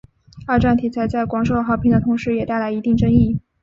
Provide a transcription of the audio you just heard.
二战题材在广受好评的同时也带来一定争议。